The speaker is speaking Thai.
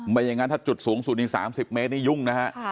ไม่อย่างนั้นถ้าจุดสูงสุดนี้๓๐เมตรนี่ยุ่งนะฮะ